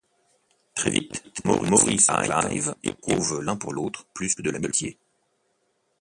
Très vite, Maurice et Clive éprouvent l’un pour l’autre plus que de l’amitié.